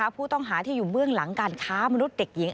ผู้ต้องหาที่อยู่เบื้องหลังการค้ามนุษย์เด็กหญิง